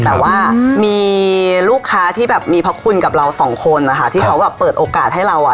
แต่ว่ามีลูกค้าที่แบบมีพระคุณกับเราสองคนนะคะที่เขาแบบเปิดโอกาสให้เราอ่ะ